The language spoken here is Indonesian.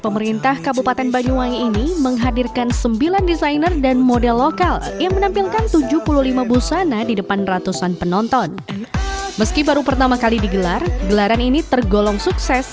meski baru pertama kali digelar gelaran ini tergolong sukses